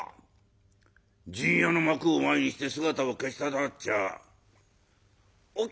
『陣屋』の幕を前にして姿を消したとなっちゃお